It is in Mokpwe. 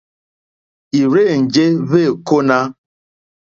Ì rzênjé wêkóná.